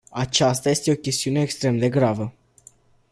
Aceasta este o chestiune extrem de gravă.